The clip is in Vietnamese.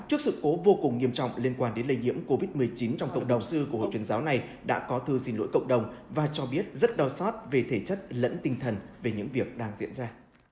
trước sự cố vô cùng nghiêm trọng liên quan đến lây nhiễm covid một mươi chín trong cộng đồng sư của hội trần giáo này đã có thư xin lỗi cộng đồng và cho biết rất đau xót về thể chất lẫn tinh thần về những việc đang diễn ra